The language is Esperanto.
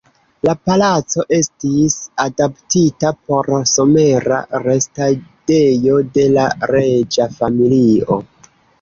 La palaco estis adaptita por somera restadejo de la reĝa familio.